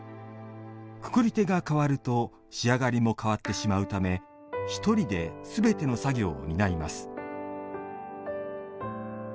くくり手が変わると仕上がりも変わってしまうためひとりですべての作業を担います。